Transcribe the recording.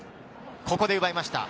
ここで奪いました。